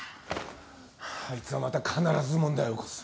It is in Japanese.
あいつはまた必ず問題を起こす。